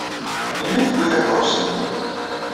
Melmi i tewwi takeṛṛust-nwen?